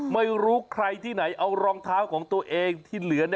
ไม่รู้ใครที่ไหนเอารองเท้าของตัวเองที่เหลือ